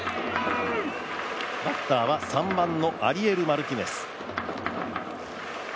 バッターは３番のアリエル・マルティネス。